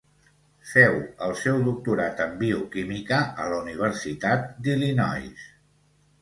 Féu el seu doctorat en Bioquímica a la Universitat d'Illinois.